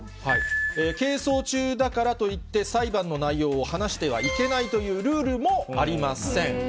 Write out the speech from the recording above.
係争中だからといって、裁判の内容を話してはいけないというルールもありません。